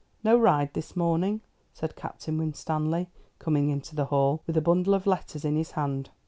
"No ride this morning," said Captain Winstanley, coming into the hall, with a bundle of letters in his hand.